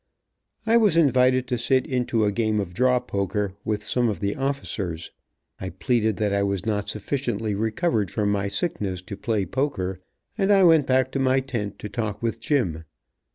I was invited to sit into a game of draw poker with some of the officers. I pleaded that I was not sufficiently recovered from my sickness to play poker, and I went back to my tent to talk with Jim.